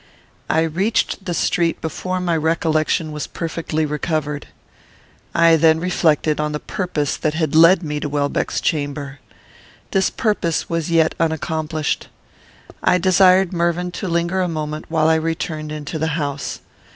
I reached the street before my recollection was perfectly recovered. I then reflected on the purpose that had led me to Welbeck's chamber. This purpose was yet unaccomplished. I desired Mervyn to linger a moment while I returned into the house.